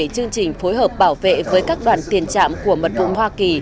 chương trình phối hợp bảo vệ với các đoàn tiền trạm của mật vụ hoa kỳ